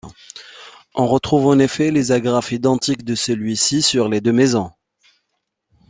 On retrouve en effet les agrafes identiques de celui-ci sur les deux maisons.